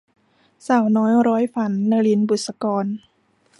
สาวน้อยร้อยฝัน - นลิน บุษกร